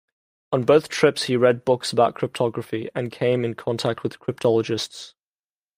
On both trips, he read books about cryptography and came in contact with cryptologists.